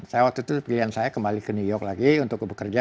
saya waktu itu pilihan saya kembali ke new york lagi untuk bekerja